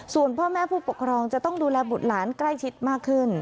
ส่วนพ่อแม่ผู้ปกครองจะต้องดูแลบุตรหลานใกล้ชิดมากขึ้น